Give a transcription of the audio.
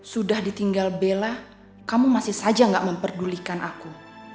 sudah ditinggal bella kamu masih saja nggak memperdulikan aku